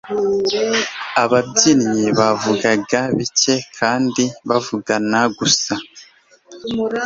ababyinnyi bavugaga bike kandi bavugana gusa